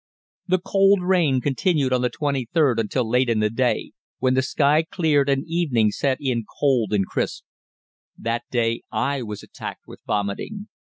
The cold rain continued on the 23d until late in the day, when the sky cleared and evening set in cold and crisp. That day I was attacked with vomiting.